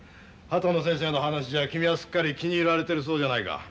秦野先生の話じゃ君はすっかり気に入られてるそうじゃないか。